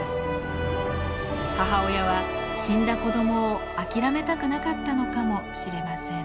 母親は死んだ子どもを諦めたくなかったのかもしれません。